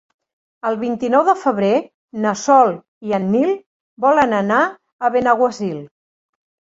El vint-i-nou de febrer na Sol i en Nil volen anar a Benaguasil.